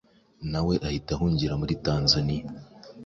na we ahita ahungira muri Tanzania